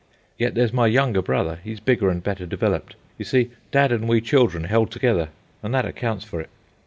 Yet there's my younger brother; he's bigger and better developed. You see, dad and we children held together, and that accounts for it."